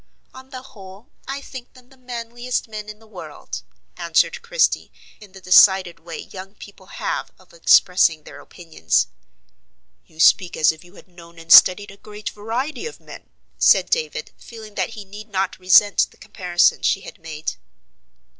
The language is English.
On the whole, I think them the manliest men in the world," answered Christie, in the decided way young people have of expressing their opinions. "You speak as if you had known and studied a great variety of men," said David, feeling that he need not resent the comparison she had made.